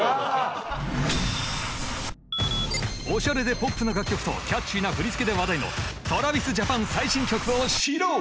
おしゃれでポップな楽曲とキャッチーな振り付けで話題のＴｒａｖｉｓＪａｐａｎ最新曲をシロウ！